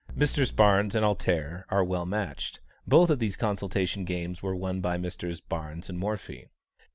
Messrs. Barnes and "Alter" are well matched. Both of these consultation games were won by Messrs. Barnes and Morphy.